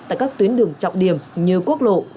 tại các tuyến đường trọng điểm như quốc lộ